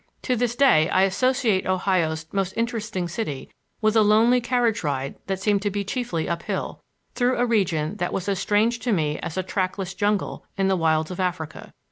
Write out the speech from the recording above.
To this day I associate Ohio's most interesting city with a lonely carriage ride that seemed to be chiefly uphill, through a region that was as strange to me as a trackless jungle in the wilds of Africa.